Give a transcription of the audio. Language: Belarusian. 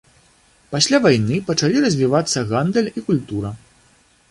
Пасля вайны пачалі развівацца гандаль і культура.